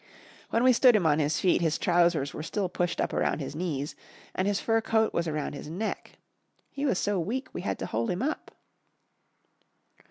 When we stood him on his feet his trousers were still pushed up around his knees, and his fur coat was around his neck. He was so weak we had to hold him up.